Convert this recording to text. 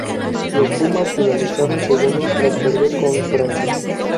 Los Pumas finalizan segundos, tras perder con Francia.